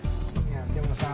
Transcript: いやでもさ